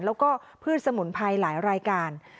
แล้วก็พืชสมุนไพรหลายรายการ